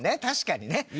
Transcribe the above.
確かにね。